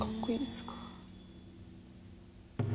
すごい。